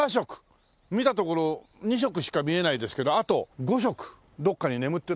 見たところ２色しか見えないですけどあと５色どこかに眠ってるはずです。